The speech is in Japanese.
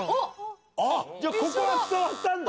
じゃあここは伝わったんだ。